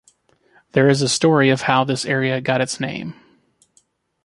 There is a story of how this area got its name.